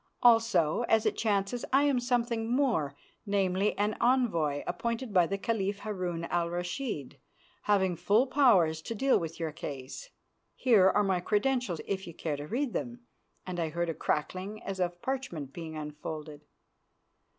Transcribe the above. Also, as it chances, I am something more, namely, an envoy appointed by the Caliph Harun al Rashid, having full powers to deal with your case. Here are my credentials if you care to read them," and I heard a crackling as of parchment being unfolded.